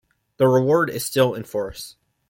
The reward is still in force.